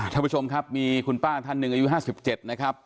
ท่านผู้ชมครับมีคุณป้าท่านหนึ่งอายุ๕๗นะครับ